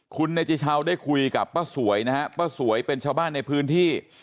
คุณเนจิชาวได้คุยกับป้าสวยนะฮะป้าสวยเป็นชาวบ้านในพื้นที่